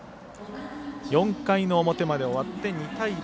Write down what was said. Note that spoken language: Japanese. ４回の表まで終わって２対０。